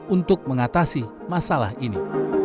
untuk mengatasi masalah ini